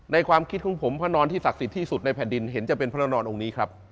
ความคิดของผมพระนอนที่ศักดิ์สิทธิ์ที่สุดในแผ่นดินเห็นจะเป็นพระนอนองค์นี้ครับ